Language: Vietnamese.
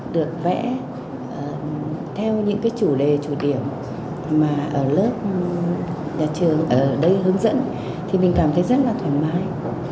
được vẽ theo những cái chủ đề chủ điểm mà ở lớp nhà trường ở đây hướng dẫn thì mình cảm thấy rất là thoải mái